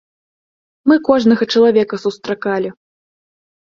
Мы кожнага чалавека сустракалі.